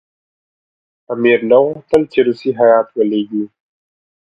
امیر نه غوښتل چې روسیه هېئت ولېږي.